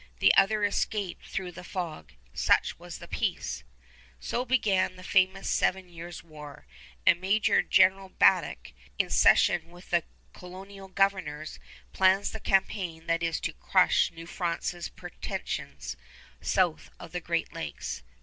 The other escaped through the fog. Such was the peace! So began the famous Seven Years' War; and Major General Braddock, in session with the colonial governors, plans the campaign that is to crush New France's pretensions south of the Great Lakes.